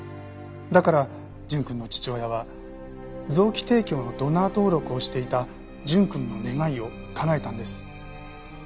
だから純くんの父親は臓器提供のドナー登録をしていた純くんの願いをかなえたんです。